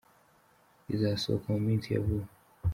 rizasohoka mu minsi ya vuba